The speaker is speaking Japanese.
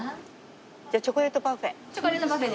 じゃあチョコレートパフェ。